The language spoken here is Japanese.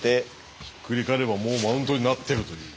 ひっくり返ればもうマウントになってるという。